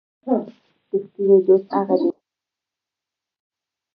رښتینی دوست هغه دی چې په بد حال کې مرسته وکړي.